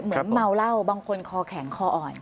เมาเหล้าบางคนคอแข็งคออ่อน